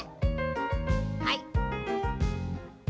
はい。